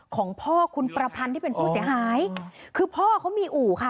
ของพ่อคุณประพันธ์ที่เป็นผู้เสียหายคือพ่อเขามีอู่ค่ะ